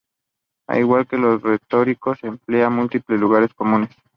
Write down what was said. Al igual que los retóricos, emplea múltiples lugares comunes.